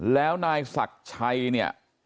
แล้วนายศักดิ์ชัยเนี่ย